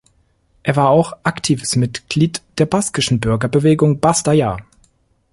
Er war auch aktives Mitglied der baskischen Bürgerbewegung ¡Basta Ya!